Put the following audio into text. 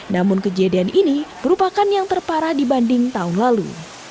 namun kejadian ini merupakan yang terparah dibanding tahun lalu